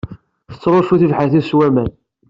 Tettruccu tibḥirt-is s waman.